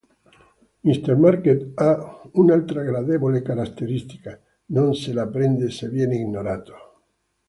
Mr. Market ha un'altra gradevole caratteristica: non se la prende se viene ignorato.